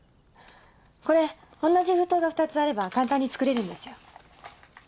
これ同じ封筒が２つあれば簡単に作れるんですよ。